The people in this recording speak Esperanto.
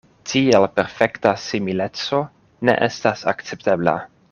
Tiel perfekta simileco ne estas akceptebla.